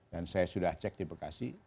dan saya sudah cek di bekasi